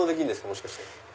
もしかして。